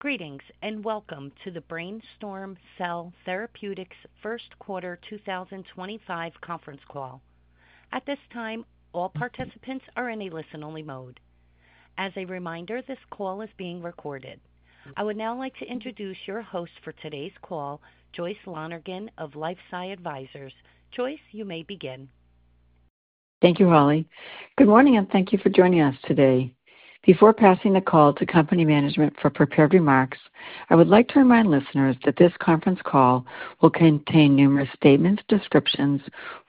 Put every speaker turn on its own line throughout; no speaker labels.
Greetings and welcome to the BrainStorm Cell Therapeutics first quarter 2025 conference call. At this time, all participants are in a listen-only mode. As a reminder, this call is being recorded. I would now like to introduce your host for today's call, Joyce Lonergan of LifeSci Advisors. Joyce, you may begin.
Thank you, Holly. Good morning and thank you for joining us today. Before passing the call to company management for prepared remarks, I would like to remind listeners that this conference call will contain numerous statements, descriptions,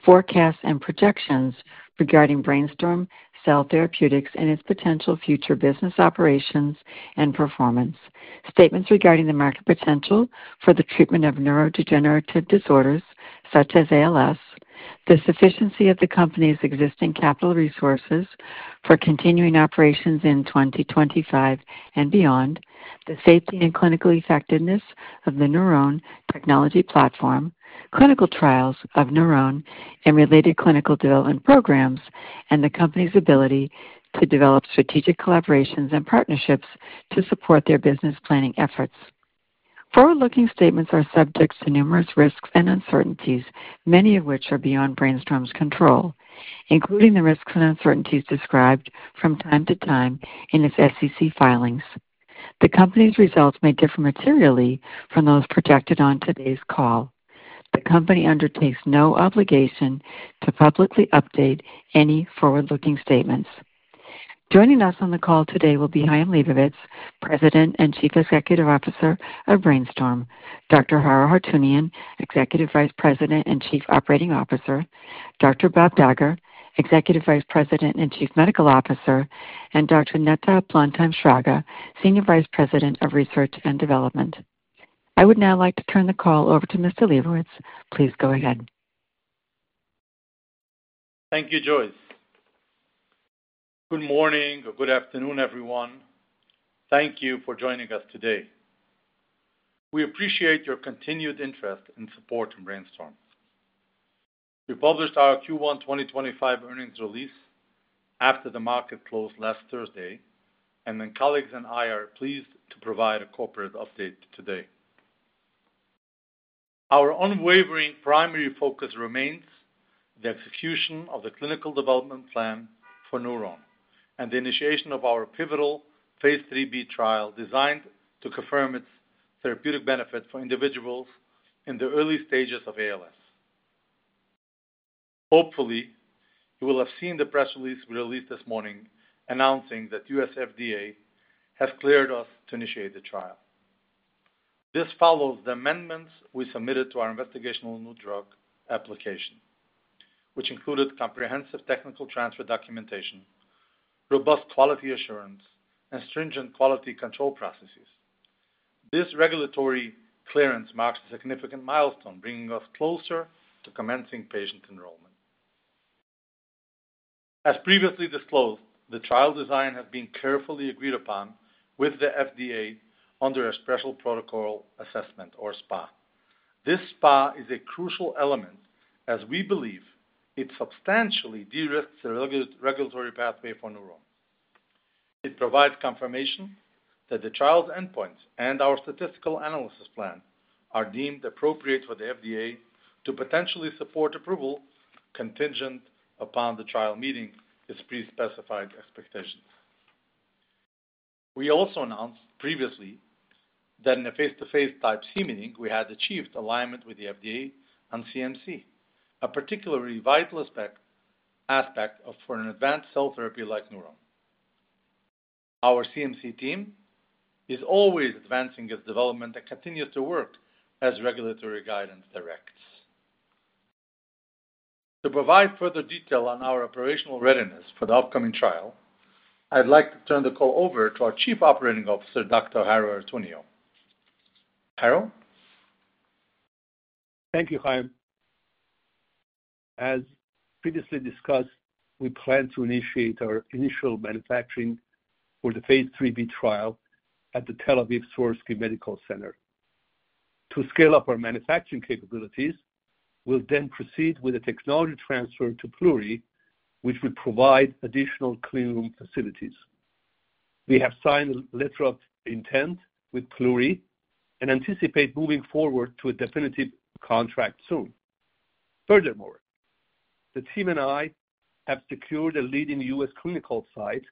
forecasts, and projections regarding BrainStorm Cell Therapeutics and its potential future business operations and performance. Statements regarding the market potential for the treatment of neurodegenerative disorders such as ALS, the sufficiency of the company's existing capital resources for continuing operations in 2025 and beyond, the safety and clinical effectiveness of the NurOwn technology platform, clinical trials of NurOwn and related clinical development programs, and the company's ability to develop strategic collaborations and partnerships to support their business planning efforts. Forward-looking statements are subject to numerous risks and uncertainties, many of which are beyond BrainStorm's control, including the risks and uncertainties described from time to time in its SEC filings. The company's results may differ materially from those projected on today's call. The company undertakes no obligation to publicly update any forward-looking statements. Joining us on the call today will be Chaim Lebovits, President and Chief Executive Officer of BrainStorm; Dr. Haro Hartounian, Executive Vice President and Chief Operating Officer; Dr. Bob Dagher, Executive Vice President and Chief Medical Officer; and Dr. Netta Blondheim-Shraga, Senior Vice President of Research and Development. I would now like to turn the call over to Mr. Lebovits. Please go ahead.
Thank you, Joyce. Good morning or good afternoon, everyone. Thank you for joining us today. We appreciate your continued interest and support in BrainStorm. We published our Q1 2025 earnings release after the market closed last Thursday, and my colleagues and I are pleased to provide a corporate update today. Our unwavering primary focus remains the execution of the clinical development plan for NurOwn and the initiation of our pivotal phase III-B trial designed to confirm its therapeutic benefit for individuals in the early stages of ALS. Hopefully, you will have seen the press release we released this morning announcing that U.S. FDA has cleared us to initiate the trial. This follows the amendments we submitted to our investigational new drug application, which included comprehensive technical transfer documentation, robust quality assurance, and stringent quality control processes. This regulatory clearance marks a significant milestone, bringing us closer to commencing patient enrollment. As previously disclosed, the trial design has been carefully agreed upon with the FDA under a special protocol assessment, or SPA. This SPA is a crucial element as we believe it substantially de-risks the regulatory pathway for NurOwn. It provides confirmation that the trial's endpoints and our statistical analysis plan are deemed appropriate for the FDA to potentially support approval contingent upon the trial meeting its pre-specified expectations. We also announced previously that in a face-to-face type C meeting, we had achieved alignment with the FDA and CMC, a particularly vital aspect for an advanced cell therapy like NurOwn. Our CMC team is always advancing its development and continues to work as regulatory guidance directs. To provide further detail on our operational readiness for the upcoming trial, I'd like to turn the call over to our Chief Operating Officer, Dr. Haro Hartounian. Haro?
Thank you, Chaim. As previously discussed, we plan to initiate our initial manufacturing for the phase III-B trial at the Tel Aviv Sourasky Medical Center. To scale up our manufacturing capabilities, we'll then proceed with a technology transfer to PLURI, which will provide additional cleanroom facilities. We have signed a letter of intent with PLURI and anticipate moving forward to a definitive contract soon. Furthermore, the team and I have secured a leading U.S. clinical site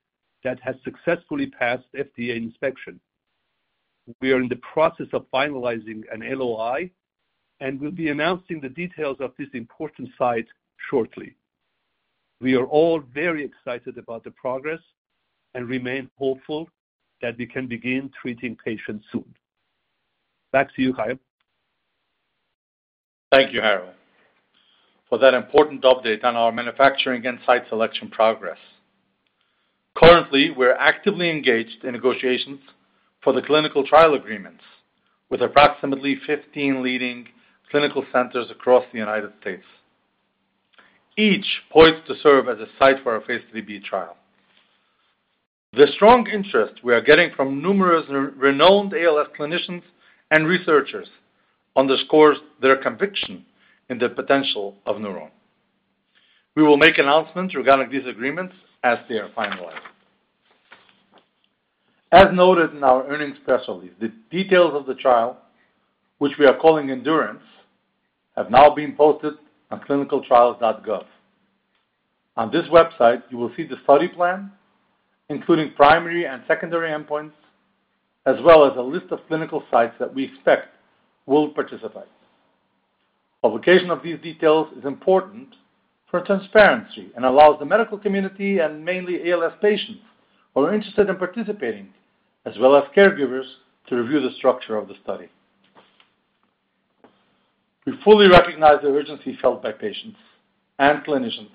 that has successfully passed FDA inspection. We are in the process of finalizing an LOI and will be announcing the details of this important site shortly. We are all very excited about the progress and remain hopeful that we can begin treating patients soon. Back to you, Chaim.
Thank you, Haro, for that important update on our manufacturing and site selection progress. Currently, we're actively engaged in negotiations for the clinical trial agreements with approximately 15 leading clinical centers across the United States. Each point is to serve as a site for our phase III-B trial. The strong interest we are getting from numerous renowned ALS clinicians and researchers underscores their conviction in the potential of NurOwn. We will make announcements regarding these agreements as they are finalized. As noted in our earnings press release, the details of the trial, which we are calling ENDURANCE, have now been posted on clinicaltrials.gov. On this website, you will see the study plan, including primary and secondary endpoints, as well as a list of clinical sites that we expect will participate. Publication of these details is important for transparency and allows the medical community and mainly ALS patients who are interested in participating, as well as caregivers, to review the structure of the study. We fully recognize the urgency felt by patients and clinicians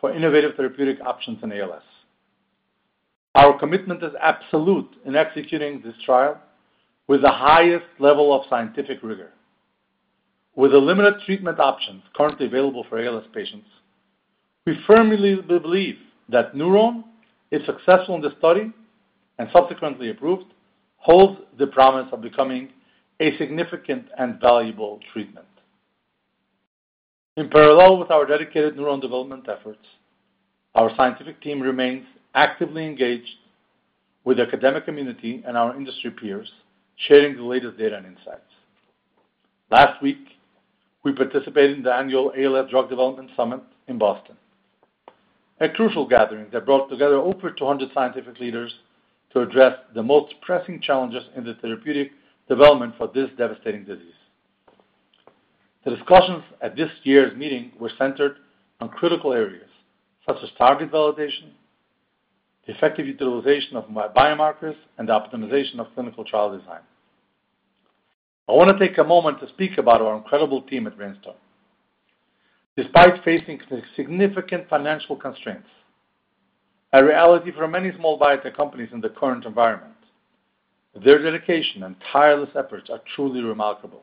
for innovative therapeutic options in ALS. Our commitment is absolute in executing this trial with the highest level of scientific rigor. With the limited treatment options currently available for ALS patients, we firmly believe that NurOwn, if successful in the study and subsequently approved, holds the promise of becoming a significant and valuable treatment. In parallel with our dedicated NurOwn development efforts, our scientific team remains actively engaged with the academic community and our industry peers, sharing the latest data and insights. Last week, we participated in the annual ALS Drug Development Summit in Boston, a crucial gathering that brought together over 200 scientific leaders to address the most pressing challenges in the therapeutic development for this devastating disease. The discussions at this year's meeting were centered on critical areas such as target validation, effective utilization of biomarkers, and optimization of clinical trial design. I want to take a moment to speak about our incredible team at BrainStorm. Despite facing significant financial constraints, a reality for many small biotech companies in the current environment, their dedication and tireless efforts are truly remarkable.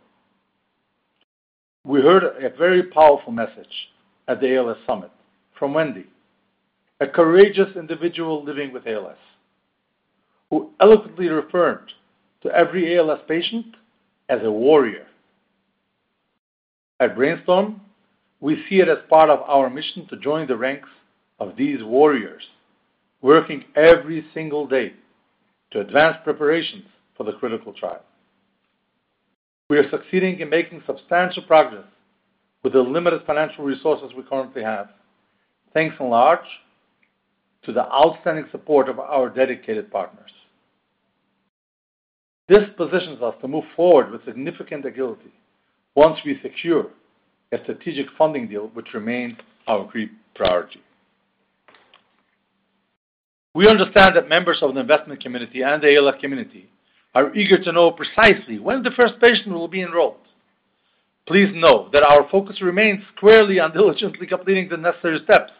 We heard a very powerful message at the ALS Summit from Wendy, a courageous individual living with ALS, who eloquently referred to every ALS patient as a warrior. At BrainStorm, we see it as part of our mission to join the ranks of these warriors, working every single day to advance preparations for the critical trial. We are succeeding in making substantial progress with the limited financial resources we currently have, thanks in large part to the outstanding support of our dedicated partners. This positions us to move forward with significant agility once we secure a strategic funding deal, which remains our priority. We understand that members of the investment community and the ALS community are eager to know precisely when the first patient will be enrolled. Please know that our focus remains squarely on diligently completing the necessary steps,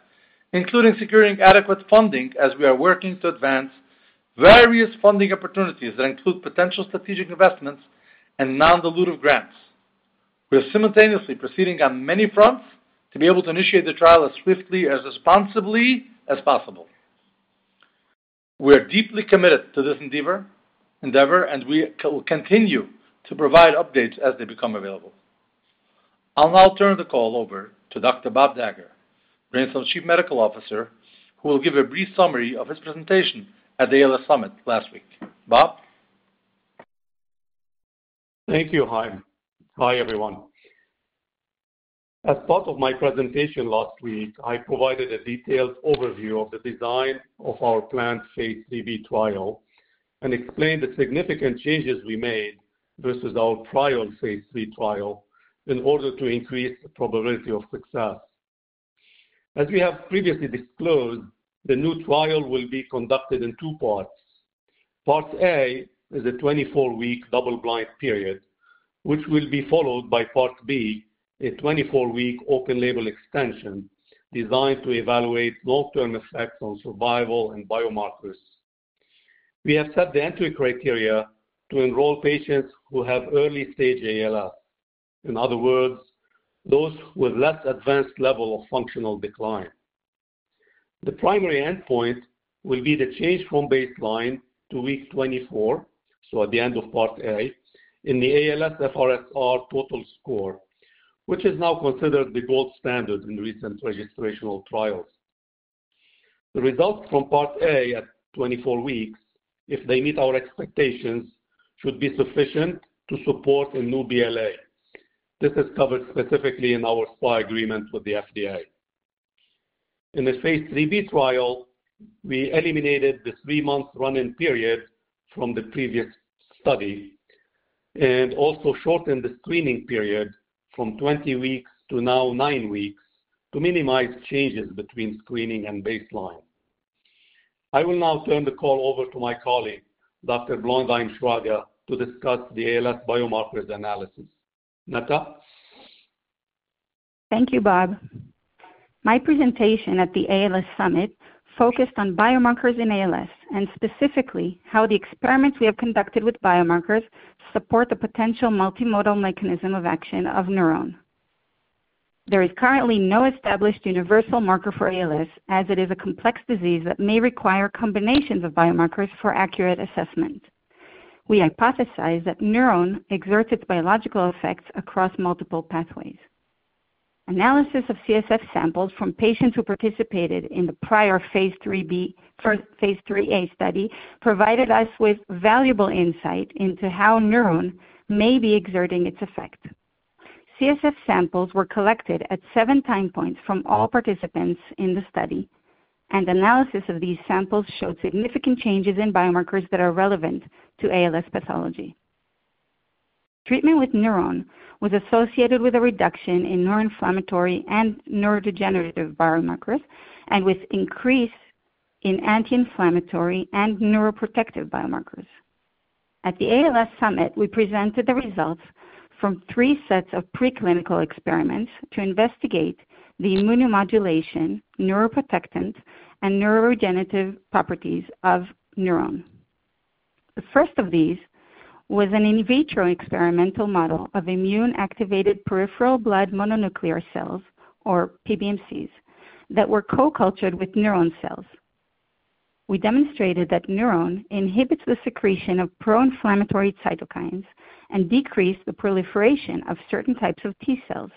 including securing adequate funding as we are working to advance various funding opportunities that include potential strategic investments and non-dilutive grants. We are simultaneously proceeding on many fronts to be able to initiate the trial as swiftly and responsibly as possible. We are deeply committed to this endeavor, and we will continue to provide updates as they become available. I'll now turn the call over to Dr. Bob Dagher, BrainStorm's Chief Medical Officer, who will give a brief summary of his presentation at the ALS Summit last week. Bob?
Thank you, Chaim. Hi, everyone. As part of my presentation last week, I provided a detailed overview of the design of our planned phase III-B trial and explained the significant changes we made versus our prior phase III trial in order to increase the probability of success. As we have previously disclosed, the new trial will be conducted in two parts. Part A is a 24-week double-blind period, which will be followed by Part B, a 24-week open-label extension designed to evaluate long-term effects on survival and biomarkers. We have set the entry criteria to enroll patients who have early-stage ALS, in other words, those with less advanced levels of functional decline. The primary endpoint will be the change from baseline to week 24, so at the end of Part A, in the ALS FRSR total score, which is now considered the gold standard in recent registrational trials. The results from Part A at 24 weeks, if they meet our expectations, should be sufficient to support a new BLA. This is covered specifically in our SPA agreement with the FDA. In the phase III-B trial, we eliminated the three-month running period from the previous study and also shortened the screening period from 20 weeks to now nine weeks to minimize changes between screening and baseline. I will now turn the call over to my colleague, Dr. Blondheim-Shraga, to discuss the ALS biomarkers analysis. Netta?
Thank you, Bob. My presentation at the ALS Summit focused on biomarkers in ALS and specifically how the experiments we have conducted with biomarkers support the potential multimodal mechanism of action of NurOwn. There is currently no established universal marker for ALS, as it is a complex disease that may require combinations of biomarkers for accurate assessment. We hypothesize that NurOwn exerts its biological effects across multiple pathways. Analysis of CSF samples from patients who participated in the prior phase III-B or phase III-A study provided us with valuable insight into how NurOwn may be exerting its effect. CSF samples were collected at seven time points from all participants in the study, and analysis of these samples showed significant changes in biomarkers that are relevant to ALS pathology. Treatment with NurOwn was associated with a reduction in neuroinflammatory and neurodegenerative biomarkers and with an increase in anti-inflammatory and neuroprotective biomarkers. At the ALS Summit, we presented the results from three sets of preclinical experiments to investigate the immunomodulation, neuroprotectant, and neurodegenerative properties of NurOwn. The first of these was an in vitro experimental model of immune-activated peripheral blood mononuclear cells, or PBMCs, that were co-cultured with NurOwn cells. We demonstrated that NurOwn inhibits the secretion of pro-inflammatory cytokines and decreases the proliferation of certain types of T cells,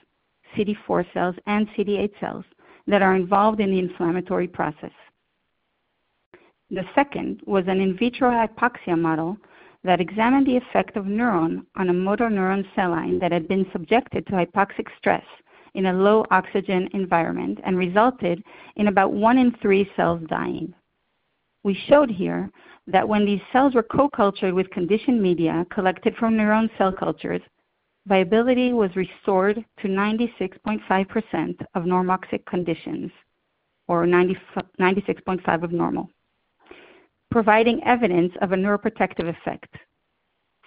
CD4 cells, and CD8 cells that are involved in the inflammatory process. The second was an in vitro hypoxia model that examined the effect of NurOwn on a motor neuron cell line that had been subjected to hypoxic stress in a low-oxygen environment and resulted in about one in three cells dying. We showed here that when these cells were co-cultured with conditioned media collected from NurOwn cell cultures, viability was restored to 96.5% of normoxic conditions, or 96.5% of normal, providing evidence of a neuroprotective effect.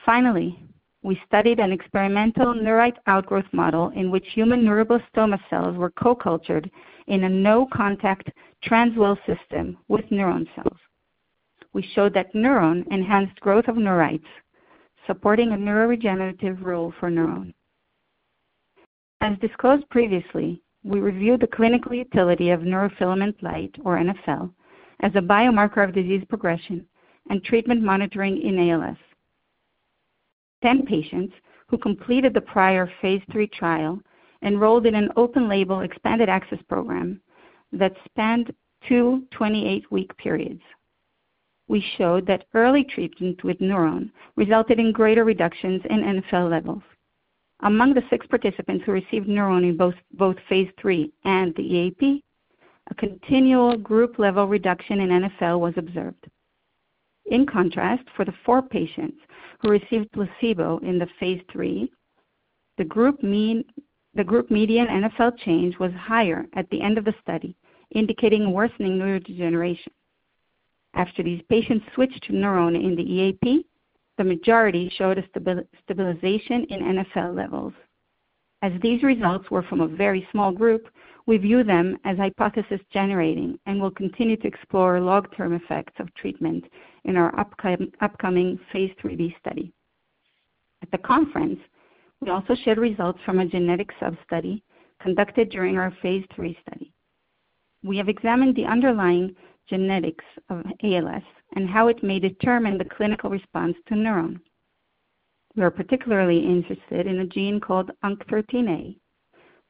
Finally, we studied an experimental neurite outgrowth model in which human neuroblastoma cells were co-cultured in a no-contact transwell system with NurOwn cells. We showed that NurOwn enhanced growth of neurites, supporting a neurodegenerative role for NurOwn. As disclosed previously, we reviewed the clinical utility of neurofilament light, or NFL, as a biomarker of disease progression and treatment monitoring in ALS. Ten patients who completed the prior phase III trial enrolled in an open-label expanded access program that spanned two 28-week periods. We showed that early treatment with NurOwn resulted in greater reductions in NFL levels. Among the six participants who received NurOwn in both phase III and the EAP, a continual group-level reduction in NFL was observed. In contrast, for the four patients who received placebo in the phase III, the group median NFL change was higher at the end of the study, indicating worsening neurodegeneration. After these patients switched to NurOwn in the EAP, the majority showed a stabilization in NFL levels. As these results were from a very small group, we view them as hypothesis-generating and will continue to explore long-term effects of treatment in our upcoming phase III-B study. At the conference, we also shared results from a genetic sub-study conducted during our phase III study. We have examined the underlying genetics of ALS and how it may determine the clinical response to NurOwn. We are particularly interested in a gene called UNC13A,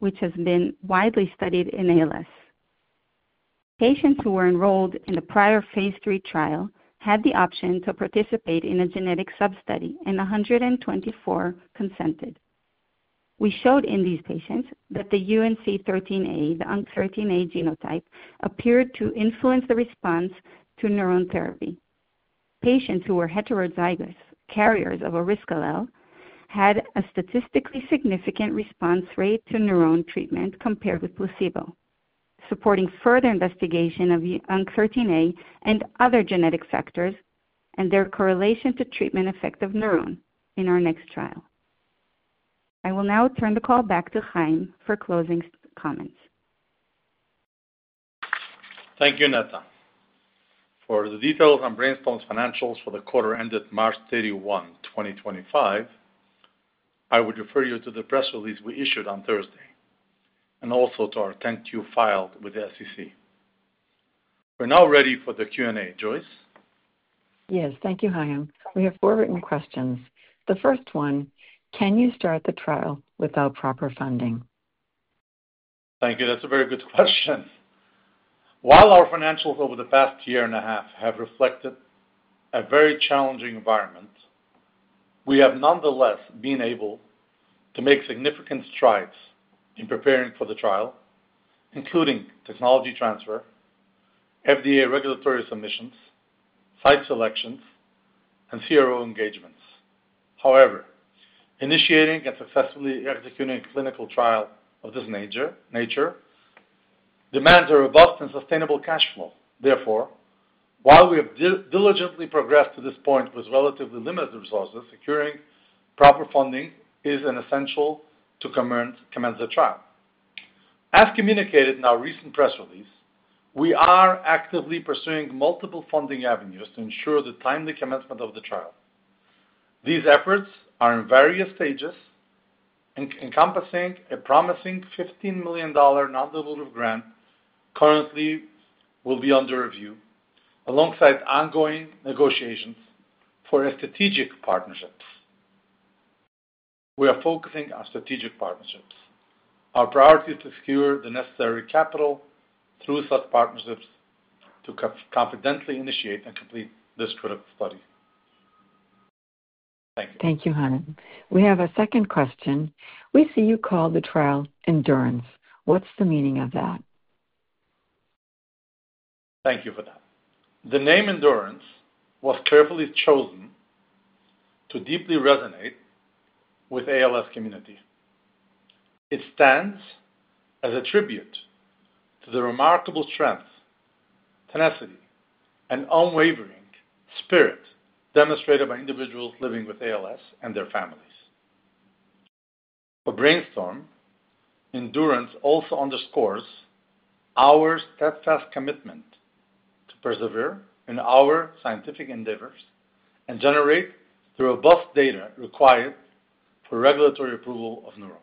which has been widely studied in ALS. Patients who were enrolled in the prior phase III trial had the option to participate in a genetic sub-study, and 124 consented. We showed in these patients that the UNC13A genotype appeared to influence the response to NurOwn therapy. Patients who were heterozygous carriers of a risk allele had a statistically significant response rate to NurOwn treatment compared with placebo, supporting further investigation of the UNC13A and other genetic factors and their correlation to treatment effect of NurOwn in our next trial. I will now turn the call back to Chaim for closing comments.
Thank you, Netta. For the details on BrainStorm's financials for the quarter ended March 31, 2025, I would refer you to the press release we issued on Thursday and also to our 10-Q filing with the SEC. We're now ready for the Q&A, Joyce.
Yes, thank you, Chaim. We have four written questions. The first one, can you start the trial without proper funding?
Thank you. That's a very good question. While our financials over the past year and a half have reflected a very challenging environment, we have nonetheless been able to make significant strides in preparing for the trial, including technology transfer, FDA regulatory submissions, site selections, and CRO engagements. However, initiating and successfully executing a clinical trial of this nature demands a robust and sustainable cash flow. Therefore, while we have diligently progressed to this point with relatively limited resources, securing proper funding is essential to commence the trial. As communicated in our recent press release, we are actively pursuing multiple funding avenues to ensure the timely commencement of the trial. These efforts are in various stages, encompassing a promising $15 million non-dilutive grant currently under review, alongside ongoing negotiations for strategic partnerships. We are focusing on strategic partnerships. Our priority is to secure the necessary capital through such partnerships to confidently initiate and complete this critical study. Thank you.
Thank you, Chaim. We have a second question. We see you call the trial ENDURANCE. What's the meaning of that?
Thank you for that. The name ENDURANCE was carefully chosen to deeply resonate with the ALS community. It stands as a tribute to the remarkable strength, tenacity, and unwavering spirit demonstrated by individuals living with ALS and their families. For BrainStorm, ENDURANCE also underscores our steadfast commitment to persevere in our scientific endeavors and generate the robust data required for regulatory approval of NurOwn.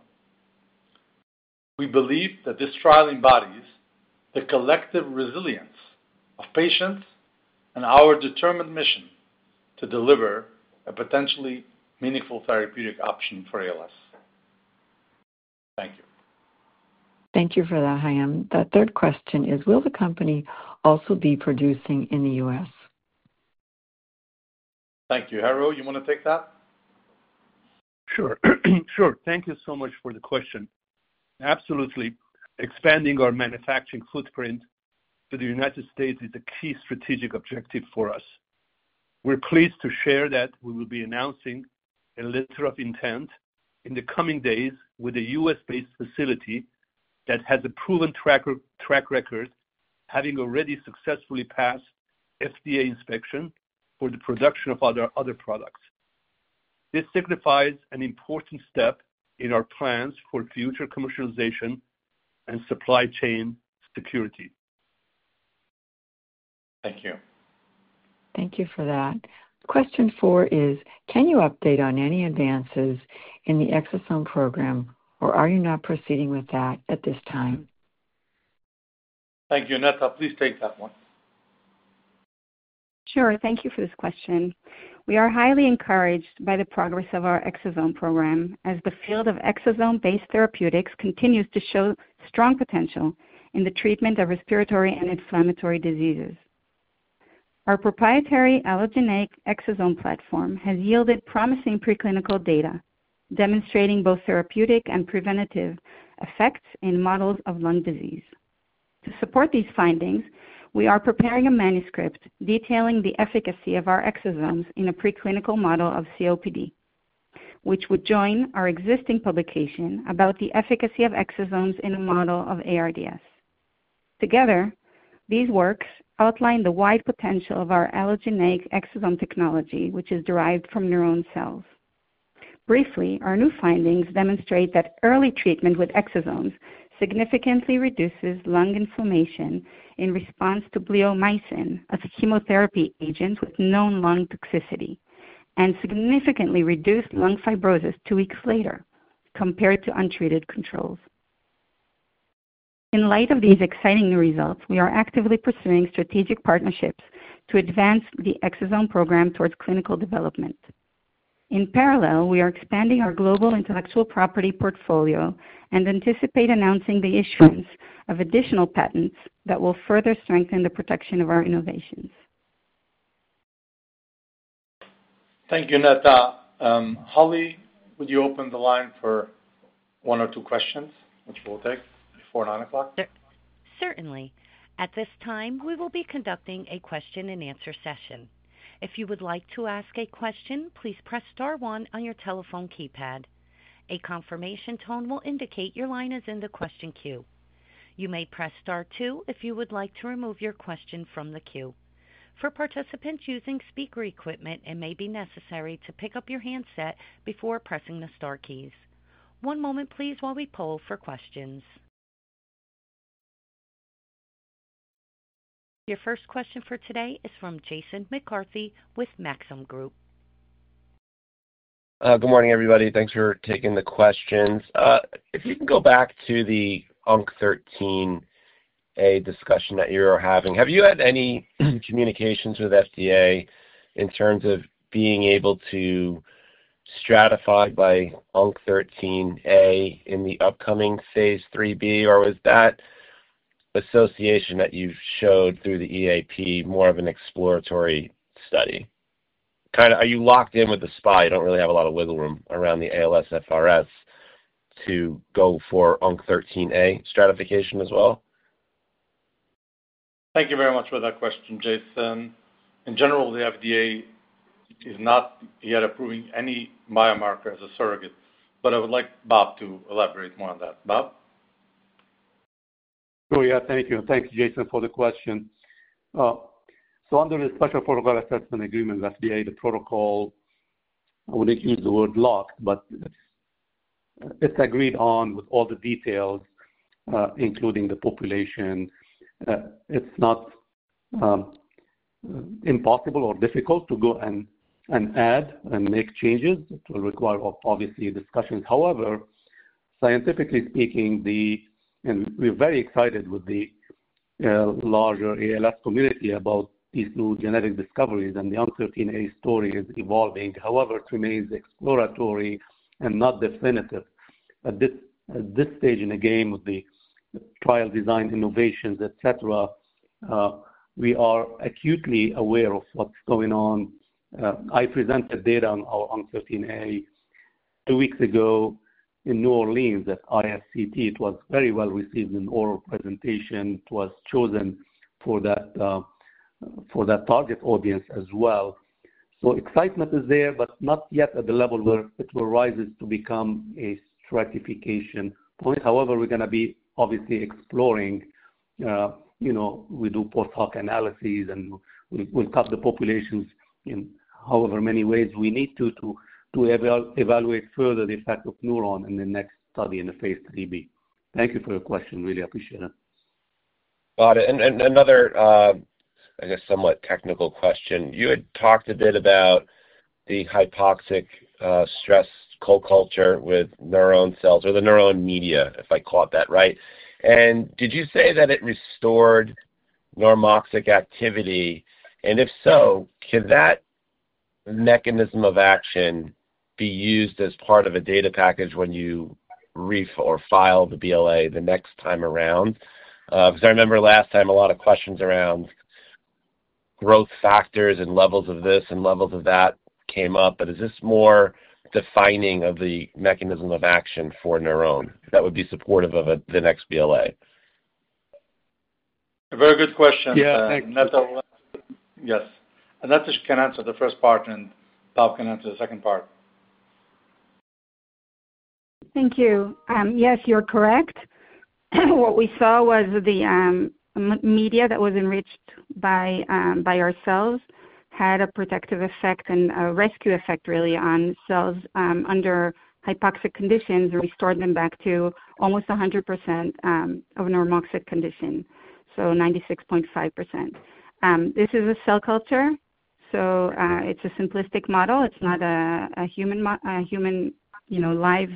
We believe that this trial embodies the collective resilience of patients and our determined mission to deliver a potentially meaningful therapeutic option for ALS. Thank you.
Thank you for that, Chaim. The third question is, will the company also be producing in the U.S.?
Thank you. Haro, you want to take that?
Sure. Thank you so much for the question. Absolutely. Expanding our manufacturing footprint to the United States is a key strategic objective for us. We're pleased to share that we will be announcing a letter of intent in the coming days with a US-based facility that has a proven track record, having already successfully passed FDA inspection for the production of other products. This signifies an important step in our plans for future commercialization and supply chain security.
Thank you.
Thank you for that. Question four is, can you update on any advances in the Exosome Program, or are you not proceeding with that at this time?
Thank you. Netta, please take that one.
Sure. Thank you for this question. We are highly encouraged by the progress of our Exosome Program as the field of exosome-based therapeutics continues to show strong potential in the treatment of respiratory and inflammatory diseases. Our proprietary allogeneic exosome platform has yielded promising preclinical data demonstrating both therapeutic and preventative effects in models of lung disease. To support these findings, we are preparing a manuscript detailing the efficacy of our exosomes in a preclinical model of COPD, which would join our existing publication about the efficacy of exosomes in a model of ARDS. Together, these works outline the wide potential of our allogeneic exosome technology, which is derived from NurOwn cells. Briefly, our new findings demonstrate that early treatment with exosomes significantly reduces lung inflammation in response to bleomycin, a chemotherapy agent with known lung toxicity, and significantly reduced lung fibrosis two weeks later compared to untreated controls. In light of these exciting new results, we are actively pursuing strategic partnerships to advance the Exosome Program towards clinical development. In parallel, we are expanding our global intellectual property portfolio and anticipate announcing the issuance of additional patents that will further strengthen the protection of our innovations.
Thank you, Netta. Holly, would you open the line for one or two questions, which we'll take before 9:00?
Certainly. At this time, we will be conducting a question-and-answer session. If you would like to ask a question, please press star one on your telephone keypad. A confirmation tone will indicate your line is in the question queue. You may press star two if you would like to remove your question from the queue. For participants using speaker equipment, it may be necessary to pick up your handset before pressing the star keys. One moment, please, while we poll for questions. Your first question for today is from Jason McCarthy with Maxim Group.
Good morning, everybody. Thanks for taking the questions. If you can go back to the UNC13A discussion that you were having, have you had any communications with FDA in terms of being able to stratify by UNC13A in the upcoming phase III-B, or was that association that you've showed through the EAP more of an exploratory study? Kind of, are you locked in with the SPA? You don't really have a lot of wiggle room around the ALS FRSR to go for UNC13A stratification as well?
Thank you very much for that question, Jason. In general, the U.S. FDA is not yet approving any biomarker as a surrogate, but I would like Bob to elaborate more on that. Bob?
Sure. Yeah, thank you. Thank you, Jason, for the question. Under the Special Protocol Assessment Agreement with the U.S. FDA, the protocol—I wouldn't use the word locked—but it's agreed on with all the details, including the population. It's not impossible or difficult to go and add and make changes. It will require, obviously, discussions. However, scientifically speaking, we're very excited with the larger ALS community about these new genetic discoveries and the UNC13A story is evolving. However, it remains exploratory and not definitive. At this stage in the game of the trial design innovations, etc., we are acutely aware of what's going on. I presented data on UNC13A two weeks ago in New Orleans at ISCT. It was very well received in oral presentation. It was chosen for that target audience as well. Excitement is there, but not yet at the level where it arises to become a stratification point. However, we're going to be obviously exploring. We do post-hoc analyses, and we'll cut the populations in however many ways we need to to evaluate further the effect of NurOwn in the next study in the phase III-B. Thank you for your question. Really appreciate it.
Got it. Another, I guess, somewhat technical question. You had talked a bit about the hypoxic stress co-culture with NurOwn cells or the NurOwn media, if I caught that right. Did you say that it restored normoxic activity? If so, can that mechanism of action be used as part of a data package when you refile the BLA the next time around? I remember last time a lot of questions around growth factors and levels of this and levels of that came up, but is this more defining of the mechanism of action for NurOwn that would be supportive of the next BLA?
A very good question.
Yeah. Thank you.
Yes. Netta can answer the first part, and Bob can answer the second part.
Thank you. Yes, you're correct. What we saw was the media that was enriched by our cells had a protective effect and a rescue effect, really, on cells under hypoxic conditions. We stored them back to almost 100% of normoxic condition, so 96.5%. This is a cell culture, so it's a simplistic model. It's not a human live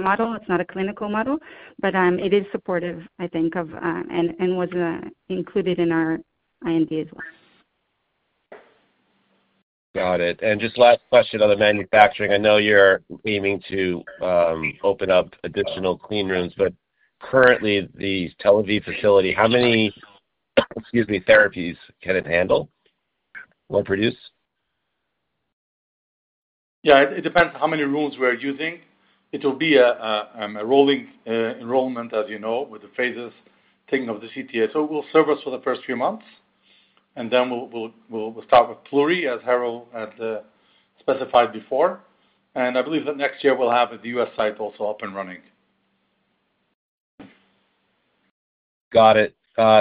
model. It's not a clinical model, but it is supportive, I think, and was included in our IND as well.
Got it. And just last question on the manufacturing. I know you're aiming to open up additional clean rooms, but currently, the Tel Aviv facility, how many—excuse me—therapies can it handle or produce?
Yeah, it depends how many rooms we're using. It will be a rolling enrollment, as you know, with the phases taking of the CTA. It will serve us for the first few months, and then we'll start with Pluri, as Haro had specified before. I believe that next year we'll have the U.S. site also up and running.
Got it.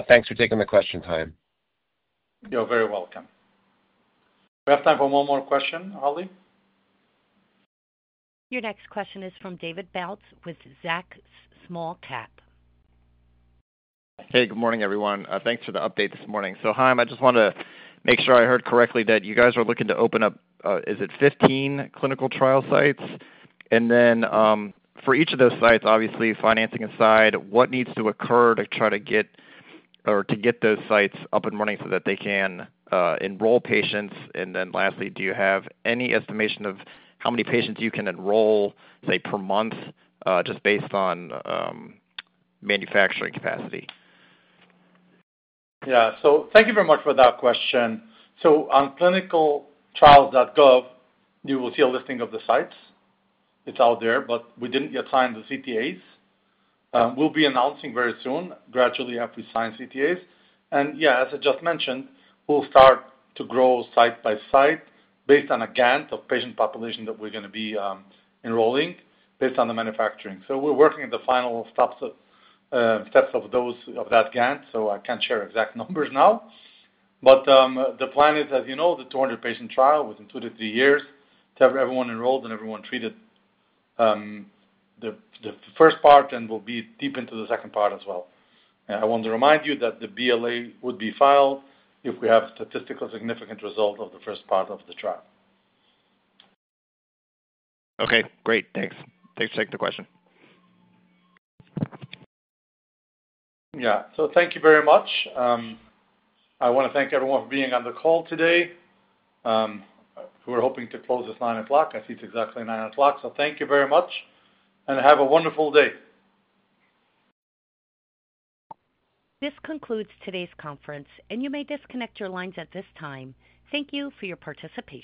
Thanks for taking the question, Chaim.
You're very welcome. We have time for one more question, Holly.
Your next question is from David Bautz with Zacks Small Cap.
Hey, good morning, everyone. Thanks for the update this morning. Chaim, I just want to make sure I heard correctly that you guys are looking to open up—is it 15 clinical trial sites? For each of those sites, obviously, financing aside, what needs to occur to try to get those sites up and running so that they can enroll patients? Lastly, do you have any estimation of how many patients you can enroll, say, per month, just based on manufacturing capacity?
Yeah. Thank you very much for that question. On clinicaltrials.gov, you will see a listing of the sites. It's out there, but we didn't yet sign the CTAs. We'll be announcing very soon, gradually, after we sign CTAs. Yeah, as I just mentioned, we'll start to grow site by site based on a GANT of patient population that we're going to be enrolling based on the manufacturing. We're working at the final steps of that GANT, so I can't share exact numbers now. The plan is, as you know, the 200-patient trial within two to three years to have everyone enrolled and everyone treated. The first part, and we'll be deep into the second part as well. I want to remind you that the BLA would be filed if we have statistically significant results of the first part of the trial.
Okay. Great. Thanks. Thanks for taking the question.
Yeah. Thank you very much. I want to thank everyone for being on the call today. We're hoping to close at 9:00. I see it's exactly 9:00. Thank you very much, and have a wonderful day.
This concludes today's conference, and you may disconnect your lines at this time. Thank you for your participation.